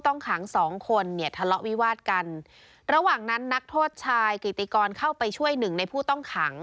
ทะเลาะวิวาสกันระหว่างนั้นนักโทษชายกิติกรเข้าไปช่วยหนึ่งในผู้ต้องขัง